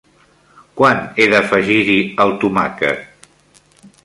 Quan he d'afegir-hi el tomàquet?